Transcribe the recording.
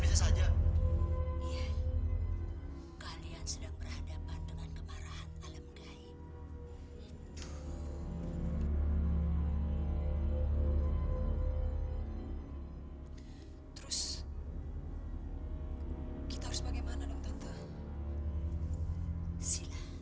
tante tidak bisa membantu kalian di pijak